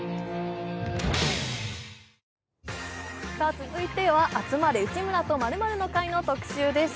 続いては「集まれ！内村と○○の会」の特集です。